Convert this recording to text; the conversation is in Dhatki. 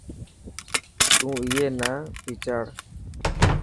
تون اي نا ڀيچاڙ.